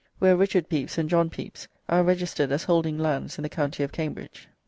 I, 1273), where Richard Pepis and John Pepes are registered as holding lands in the county of Cambridge.